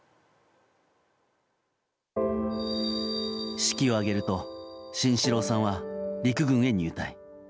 式を挙げると慎四郎さんは陸軍へ入隊。